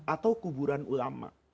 atau kuburan ulama